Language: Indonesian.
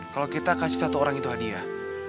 kalau kita kasih satu orang itu hadiah